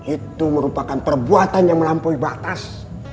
itu merupakan perbuatan yang melampaui batas